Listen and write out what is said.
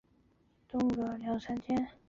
中华人民共和国副部长级官员。